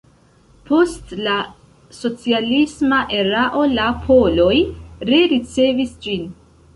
Post la socialisma erao la poloj rericevis ĝin.